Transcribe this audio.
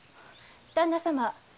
旦那様。